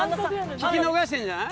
聞き逃してるんじゃない？